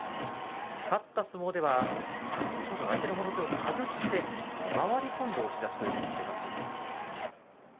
勝った相撲では武将山が相手のもろ手を手繰って回り込んで押し出しという形があります。